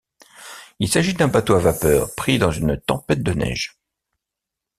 Il s'agit d'un bateau à vapeur pris dans une tempête de neige.